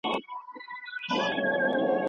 جهاد په ټوله دونیا ستا خانه خراب جنګ دی